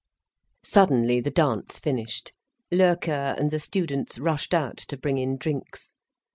Suddenly the dance finished, Loerke and the students rushed out to bring in drinks.